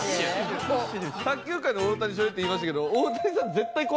卓球界の大谷翔平っていいましたけど。